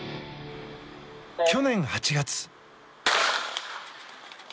去年８月。